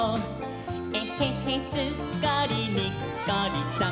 「えへへすっかりにっこりさん！」